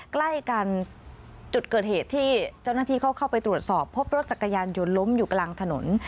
ใกล้กันจุดเกิดเหตุที่เจ้าหน้าที่เขาเข้าไปตรวจสอบพบรถจักรยานยนต์ล้มอยู่กลางถนน